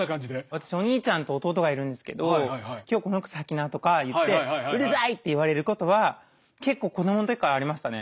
私お兄ちゃんと弟がいるんですけど「今日この靴履きな」とか言って「うるさい」って言われることは結構子どもの時からありましたね。